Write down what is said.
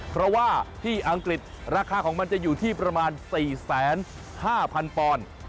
เพราะว่าที่อังกฤษราคาของมันจะอยู่ที่ประมาณ๔๕๐๐๐ปอนด์